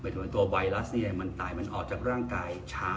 ตัวไวรัสมันตายมันออกจากร่างกายช้า